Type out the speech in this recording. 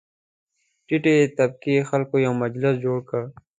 ټیټې طبقې خلک یو مجلس جوړ کړ.